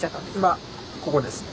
今ここですね。